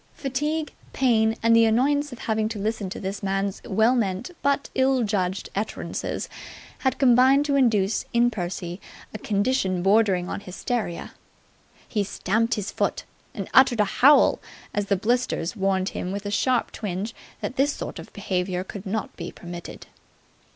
Fatigue, pain and the annoyance of having to listen to this man's well meant but ill judged utterances had combined to induce in Percy a condition bordering on hysteria. He stamped his foot, and uttered a howl as the blister warned him with a sharp twinge that this sort of behaviour could not be permitted.